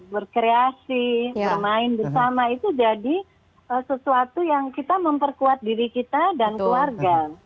berkreasi bermain bersama itu jadi sesuatu yang kita memperkuat diri kita dan keluarga